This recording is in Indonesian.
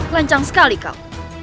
lancang sekali kau